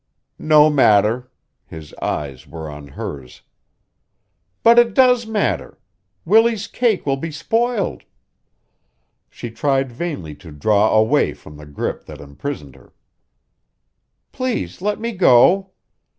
"No matter." His eyes were on hers. "But it does matter. Willie's cake will be spoiled." She tried vainly to draw away from the grip that imprisoned her. "Please let me go."